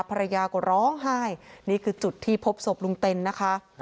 ภรรยาก็ร้องไห้นี่คือจุดที่พบศพลุงเต็นนะคะ